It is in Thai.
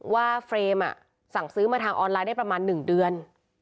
ว่าเฟรมอ่ะสั่งซื้อมาทางออนไลน์ได้ประมาณหนึ่งเดือน